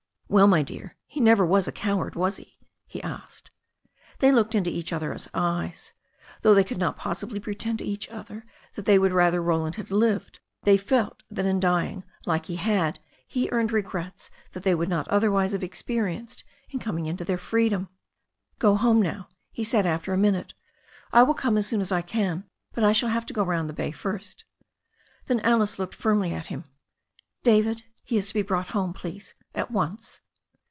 "Well, my dear, he never was a coward, was he?" he asked. They looked into each other's eyes. Though they could not possibly pretend to each other that they would rather Roland had lived, they felt that in dying like that he had earned regrets that they would not otherwise have expe rienced in coming into their freedom. "^ "Go home now," he said after a minute. "I will come as soon as I can. But I shall have to go round the bay first." Then Alice looked firmly at him. "David, he is to be brought home, please, at once."